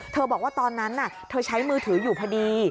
บอกว่าตอนนั้นเธอใช้มือถืออยู่พอดี